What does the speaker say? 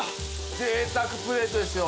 贅沢プレートですよ。